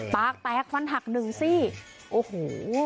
ปากแตกฟันหักหนึ่งซี่โอ้โห